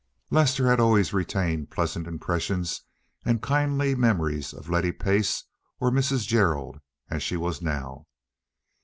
Lester had always retained pleasant impressions and kindly memories of Letty Pace, or Mrs. Gerald, as she was now.